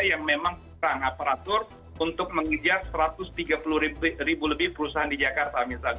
yang memang kurang aparatur untuk mengejar satu ratus tiga puluh ribu lebih perusahaan di jakarta